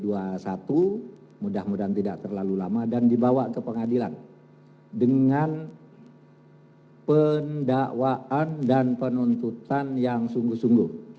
mudah mudahan tidak terlalu lama dan dibawa ke pengadilan dengan pendakwaan dan penuntutan yang sungguh sungguh